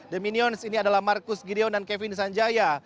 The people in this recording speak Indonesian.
the minions ini adalah marcus gideon dan kevin sanjaya